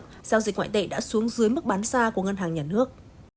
giao dịch ngoại tệ đã xuống dưới mức bán xa của ngân hàng nhà nước